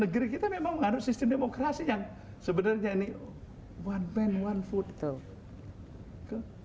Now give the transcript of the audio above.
negeri kita memang mengandung sistem demokrasi yang sebenarnya ini one man one food